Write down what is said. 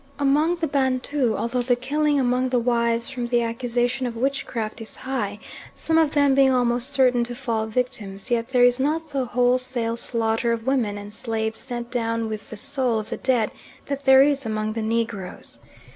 Among the Bantu, although the killing among the wives from the accusation of witchcraft is high, some of them being almost certain to fall victims, yet there is not the wholesale slaughter of women and slaves sent down with the soul of the dead that there is among the Negroes.